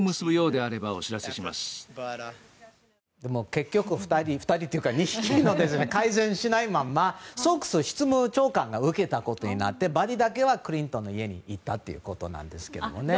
結局、２人というか２匹改善しないままソックスは執務長官が受けることになってバディーだけはクリントンの家に行ったと。